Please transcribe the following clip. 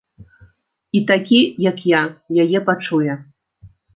І такі, як я, яе пачуе.